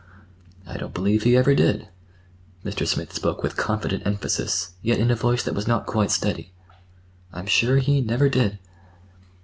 "I don't believe he ever did." Mr. Smith spoke with confident emphasis, yet in a voice that was not quite steady. "I'm sure he never did."